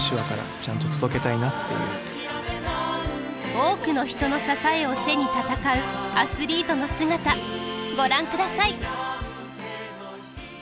多くの人の支えを背に闘うアスリートの姿ご覧下さい。